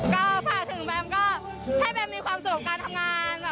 ก็ฝากถึงแบมก็ให้แบมมีความสุขการทำงาน